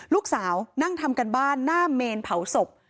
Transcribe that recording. ลูกสาวนั่งทำการบ้านหน้าเมนเผาศพ